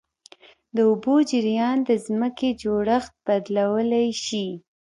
د اوبو جریان د ځمکې جوړښت بدلولی شي.